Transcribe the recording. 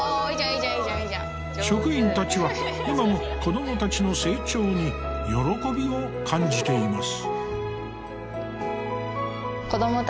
職員たちは今も子どもたちの成長に喜びを感じています。